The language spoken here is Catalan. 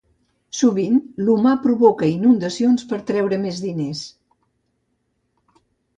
Sovint l'humà provoca inundacions per treure més diners